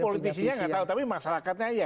oh politisinya gak tau tapi masyarakatnya iya